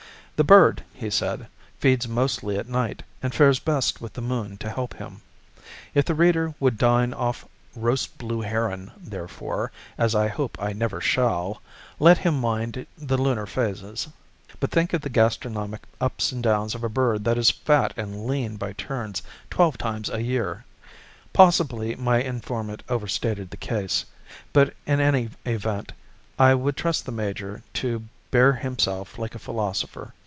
The bird, he said, feeds mostly at night, and fares best with the moon to help him. If the reader would dine off roast blue heron, therefore, as I hope I never shall, let him mind the lunar phases. But think of the gastronomic ups and downs of a bird that is fat and lean by turns twelve times a year! Possibly my informant overstated the case; but in any event I would trust the major to bear himself like a philosopher.